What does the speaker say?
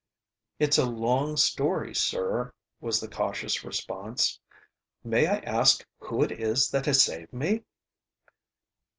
"It's a long story, sir," was the cautious response. "May I ask who it is that has saved me?"